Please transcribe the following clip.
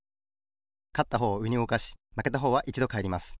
かったほうをうえにうごかしまけたほうはいちどかえります。